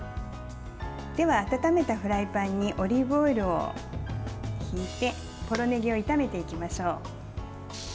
では、温めたフライパンにオリーブオイルをひいてポロねぎを炒めていきましょう。